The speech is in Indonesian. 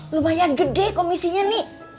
lumayan gede komisinya nek